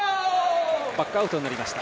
バックアウトになりました。